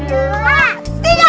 hah ini dia